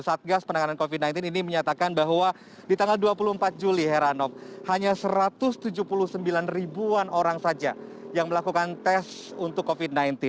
satgas penanganan covid sembilan belas ini menyatakan bahwa di tanggal dua puluh empat juli heranov hanya satu ratus tujuh puluh sembilan ribuan orang saja yang melakukan tes untuk covid sembilan belas